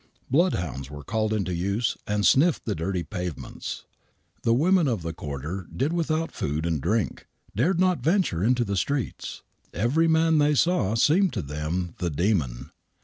Bloodhounds were called into use, and sniffed the dirty pavements. The women of the quarter did without food and drink — dared not venture into the streets. Every man they saw seemed to them the demon.